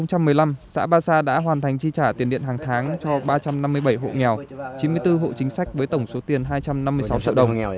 năm hai nghìn một mươi năm xã ba sa đã hoàn thành chi trả tiền điện hàng tháng cho ba trăm năm mươi bảy hộ nghèo chín mươi bốn hộ chính sách với tổng số tiền hai trăm năm mươi sáu triệu đồng